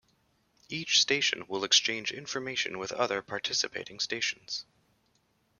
Each station will exchange information with other participating stations.